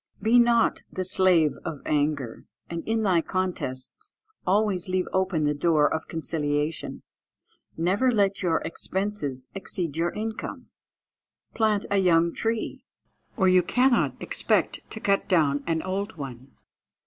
"Be not the slave of anger; and in thy contests always leave open the door of conciliation. "Never let your expenses exceed your income. "Plant a young tree, or you cannot expect to cut down an old one.